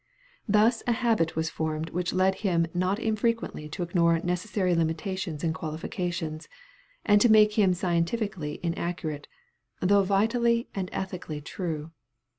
Thus a habit was formed which led him not infrequently to ignore necessary limitations and qualifications, and to make him scientifically inaccurate, though vitally and ethically true.